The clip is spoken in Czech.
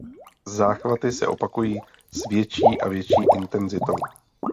Záchvaty se opakují s větší a větší intenzitou.